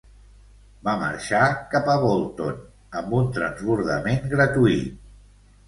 Va marxar cap a Bolton amb un transbordament gratuït.